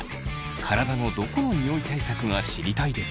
体のどこのニオイ対策が知りたいですか？